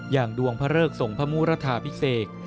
อย่างดวงพระเริกส่งพมุรธาพิเศษ